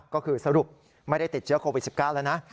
ก็คือสรุปไม่ได้ติดเชื้อโควิด๑๙แล้วนะ